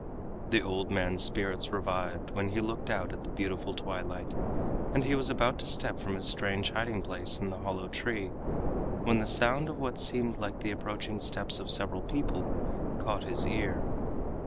The old man's spirits revived when he looked out at the beautiful twilight, and he was about to step out from his strange hiding place in the hollow tree when the sound of what seemed like the approaching steps of several people caught his ear.